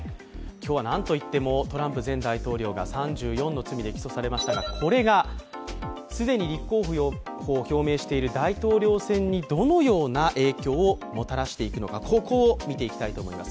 今日はなんといっても、トランプ前大統領が３４の罪で起訴されましたが、これが既に立候補を表明している大統領選にどのような影響をもたらしていくのかここを見ていきたいと思います。